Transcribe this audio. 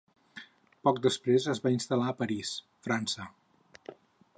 Poc després es va instal·lar a París, França.